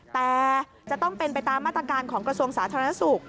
แต่จะต้องเป็นไปตามมาตรการของกระทรวงสาธารณสุข